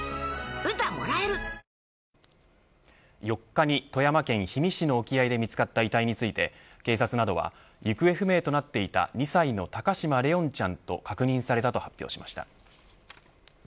４日に富山県氷見市の沖合で見つかった遺体について警察などは不明となっていた２歳の高嶋怜音ちゃんと確認されたと発表しました。